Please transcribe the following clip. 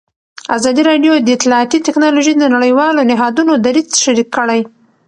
ازادي راډیو د اطلاعاتی تکنالوژي د نړیوالو نهادونو دریځ شریک کړی.